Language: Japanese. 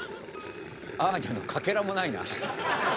アーニャのかけらもないな。